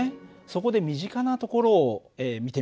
そこで身近なところを見てみようか。